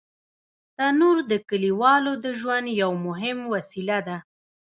تنور د کلیوالو د ژوند یو مهم وسیله ده